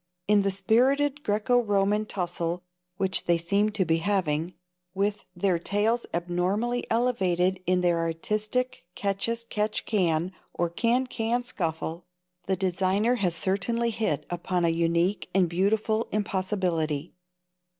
In the spirited Graeco Roman tussle which they seem to be having, with their tails abnormally elevated in their artistic catch as catch can or can can scuffle, the designer has certainly hit upon a unique and beautiful impossibility.